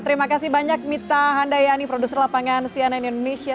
terima kasih banyak mita handayani produser lapangan cnn indonesia